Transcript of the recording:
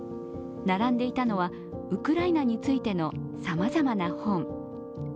並んでいたのはウクライナについてのさまざまな本。